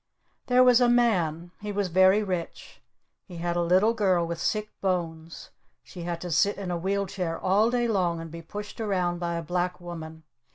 There was a man. He was very rich. He had a little girl with sick bones. She had to sit in a wheel chair all day long and be pushed around by a Black Woman.